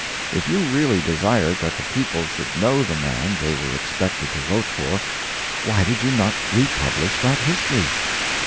If you really desired that the people should know the man they were expected to vote for, why did you not republish that history?